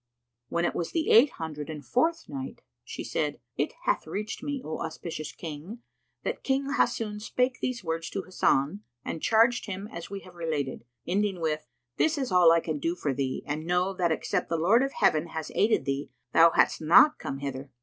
When it was the Eight Hundred and Fourth Night, She said, It hath reached me, O auspicious King, that King Hassun spake these words to Hasan and charged him as we have related, ending with, "This is all I can do for thee and know that except the Lord of Heaven had aided thee, thou hadst not come hither!"